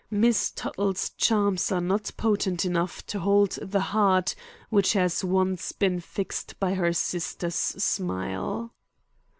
Miss Tuttle's charms are not potent enough to hold the heart which has once been fixed by her sister's smile."